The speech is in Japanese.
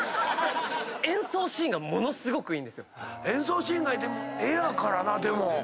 「演奏シーンがいい」って絵やからなでも。